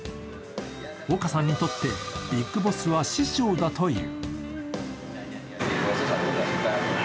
オカさんにとってビッグボスは師匠だという。